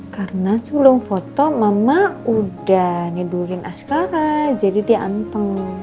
karena sebelum foto mama udah tidurin askara jadi dianteng